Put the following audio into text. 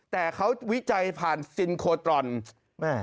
แต่เขาวิจัยผ่านซินโคตอนศูนย์